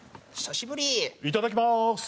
いただきまーす。